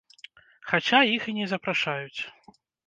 Хаця іх і не запрашаюць.